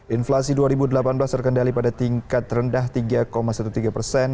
inflasi dua ribu delapan belas terkendali pada tingkat rendah tiga tiga belas persen